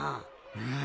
うん。